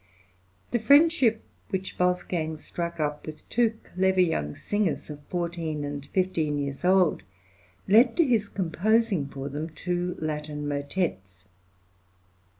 " The friendship which Wolfgang struck up with two clever young singers, of fourteen and fifteen years old, led to his composing for them two Latin motetts.